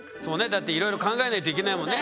だっていろいろ考えないといけないもんね。